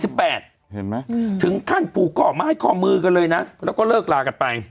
เห็นไหมถึงขั้นผูกข้อไม้ข้อมือกันเลยนะแล้วก็เลิกลากันไป